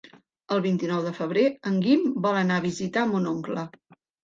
El vint-i-nou de febrer en Guim vol anar a visitar mon oncle.